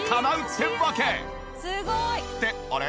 ってあれ？